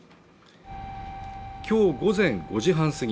きょう午前５時半過ぎ